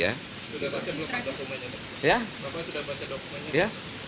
tanya sama menteri luar negeri ya